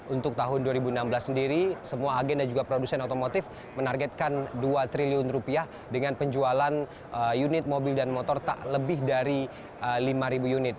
untuk tahun dua ribu enam belas sendiri semua agen dan juga produsen otomotif menargetkan dua triliun rupiah dengan penjualan unit mobil dan motor tak lebih dari lima unit